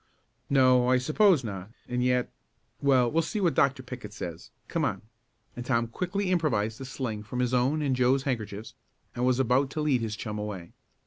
"No, I suppose not, and yet well, we'll see what Dr. Pickett says. Come on," and Tom quickly improvised a sling from his own and Joe's handkerchiefs, and was about to lead his chum away.